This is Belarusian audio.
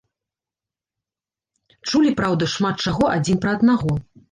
Чулі, праўда, шмат чаго адзін пра аднаго.